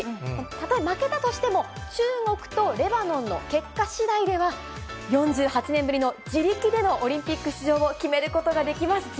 たとえ負けたとしても、中国とレバノンの結果しだいでは、４８年ぶりの自力でのオリンピック出場を決めることができます。